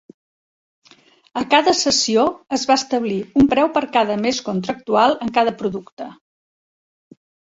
A cada sessió, es va establir un preu per cada mes contractual en cada producte.